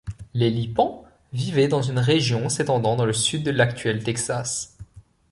Les Lipans vivaient dans une région s'étendant dans le Sud de l'actuel Texas.